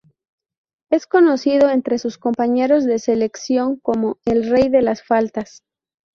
Es conocido entre sus compañeros de selección como "El Rey de las Faltas".